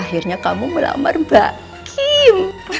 akhirnya kamu melamar mbak kim